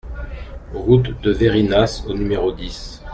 Route de Veyrinas au numéro dix